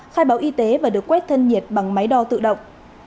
khai báo y tế và được quét thân nhiệt bằng máy đo tự động